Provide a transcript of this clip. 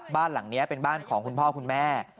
บ้านหลังนี้เป็นบ้านของคุณพ่อคุณแม่